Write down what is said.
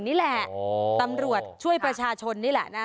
นี่แหละตำรวจช่วยประชาชนนี่แหละนะ